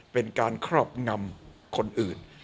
เป็นการครอบงำคนอื่น